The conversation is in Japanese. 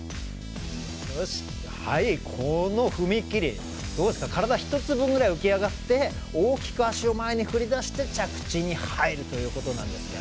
この踏み切り体１つ分ぐらい浮き上がって大きく足を前に振り出して着地に入るということなんですが。